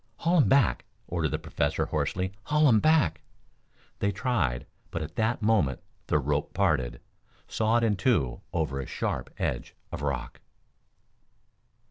"Haul him back!" ordered the Professor hoarsely. "Haul him back!" They tried, but at that moment the rope parted sawed in two over a sharp edge of rock!